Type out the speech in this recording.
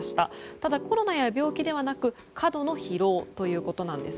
ただ、コロナや病気ではなく過度の疲労ということなんです。